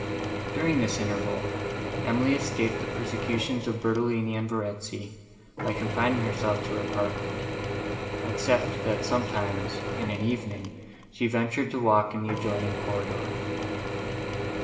During this interval, Emily escaped the persecutions of Bertolini, and Verezzi, by confining herself to her apartment; except that sometimes, in an evening, she ventured to walk in the adjoining corridor.